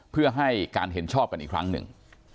เพื่อให้การเห็นชอบกันอีกครั้งหนึ่ง